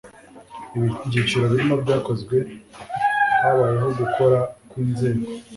ibyiciro barimo byakozwe habayeho gukoraa kw'inzego